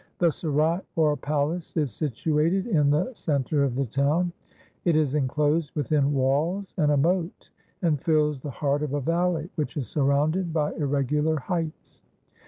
The Serai, or palace, is situated in the centre of the town; it is enclosed within walls and a moat, and fills the heart of a valley, which is surrounded by irregular heights.